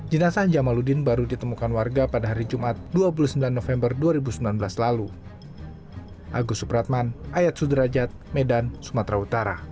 jenazah jamaludin baru ditemukan warga pada hari jumat dua puluh sembilan november dua ribu sembilan belas lalu